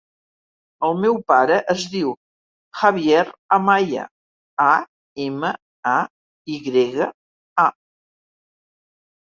El meu pare es diu Javier Amaya: a, ema, a, i grega, a.